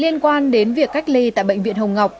liên quan đến việc cách ly tại bệnh viện hồng ngọc